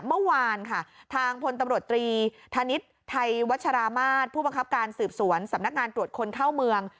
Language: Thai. เมื่อวานค่ะทางพลตำรวจตรีธนิษฐ์ไทยวัชรามาศผู้บังคับการสืบสวนสำนักงานตรวจคนเข้าเมือง